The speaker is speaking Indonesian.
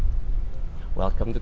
selamat datang di perubahan kecantikan